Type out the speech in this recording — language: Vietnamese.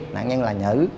nạn nhân là nhữ